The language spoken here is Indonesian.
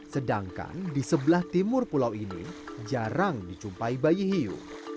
sedangkan di sebelah timur pulau ini jarang dicumpai bayi hiu